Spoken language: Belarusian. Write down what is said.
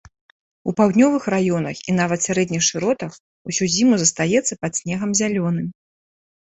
У паўднёвых раёнах і нават сярэдніх шыротах усю зіму застаецца пад снегам зялёным.